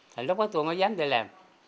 thì lúc đó tôi mới dám đi làm